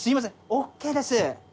ＯＫです。